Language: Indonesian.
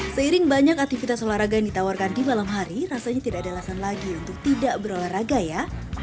seiring banyak aktivitas olahraga yang ditawarkan di malam hari rasanya tidak ada alasan lagi untuk tidak berolahraga ya